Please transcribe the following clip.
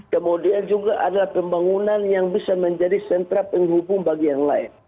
kemudian juga adalah pembangunan yang bisa menjadi sentra penghubung bagi yang lain